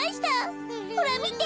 ほらみて！